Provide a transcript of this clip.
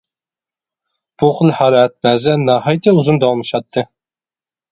بۇ خىل ھالەت بەزىدە ناھايىتى ئۇزۇن داۋاملىشاتتى.